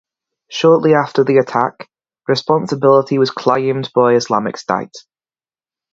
Shortly after the attack, responsibility was claimed by Islamic State.